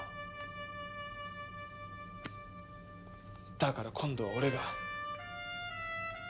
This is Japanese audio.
だから今度は俺が。